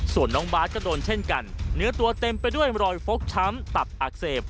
ส่วนน้องบาทก็โดนเช่นกันเนื้อตัวเต็มไปด้วยรอยฟกช้ำตับอักเสบ